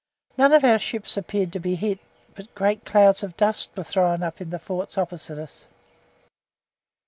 None of our ships appeared to be hit, but great clouds of dust were thrown up in the forts opposite us.